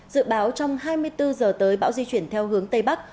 dự báo trong hai mươi bốn giờ tới bão di chuyển theo hướng tây bắc